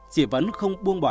chị vẫn không buông bỏ